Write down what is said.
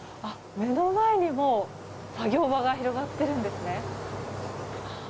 目の前にもう作業場が広がっているんですね。